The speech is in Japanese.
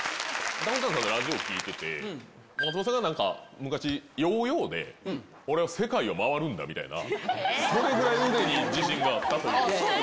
ダウンタウンさんのラジオ聞いてて、松本さんがなんか、昔、ヨーヨーで、俺は世界を回るんだみたいな、それぐらい腕に自信があったという。